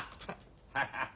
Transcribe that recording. ハハハハ。